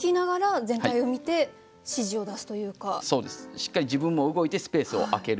しっかり自分も動いてスペースを空ける。